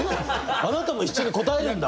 あなたも一緒に答えるんだ！